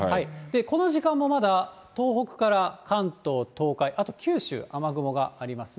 この時間もまだ東北から関東、東海、あと九州、雨雲がありますね。